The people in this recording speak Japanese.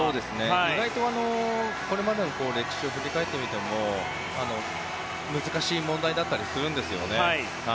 意外とこれまでの歴史を振り返ってみても難しい問題だったりするんですよね。